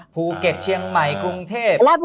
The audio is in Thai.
ภูเก็ตเชียงใหม่กรุงเทพ